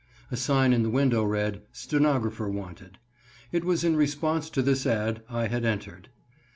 A sign in the window read: "Stenographer Wanted." It was in response to this ad I had entered.